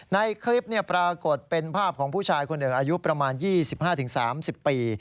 ในคลิปปรากฏเป็นภาพของผู้ชายคนหนึ่งอายุประมาณ๒๕๓๐ปี